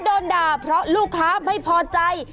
โดนด่าเพราะลูกค้าไม่พอใจ